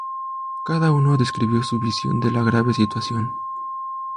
Cada uno describió su visión de la grave situación.